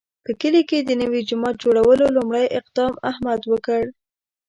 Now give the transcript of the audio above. په کلي کې د نوي جومات جوړولو لومړی اقدام احمد وکړ.